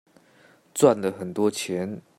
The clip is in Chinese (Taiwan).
賺了很多錢